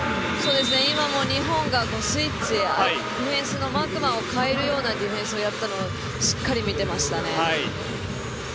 今も日本がスイッチディフェンスのマークマンを変えるようなディフェンスをやったのしっかり見てましたね。